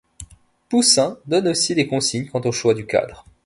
Poussin donne aussi des consignes quant au choix du cadre.